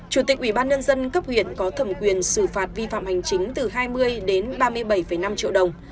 chủ tịch ubnd cấp huyện có thẩm quyền xử phạt vi phạm hành chính từ hai mươi đến ba mươi bảy năm triệu đồng